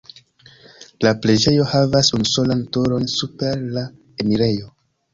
La preĝejo havas unusolan turon super la enirejo.